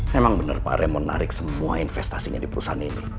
memang benar pak rem menarik semua investasinya di perusahaan ini